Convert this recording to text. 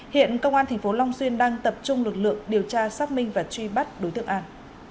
hiện công an tp long xuyên đang tập trung lực lượng điều tra xác minh và truy bắt đối tượng an